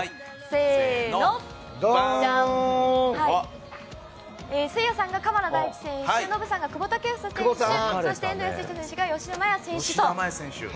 せいやさんが鎌田大地選手ノブさんが久保建英選手そして、遠藤保仁選手が吉田麻也選手と。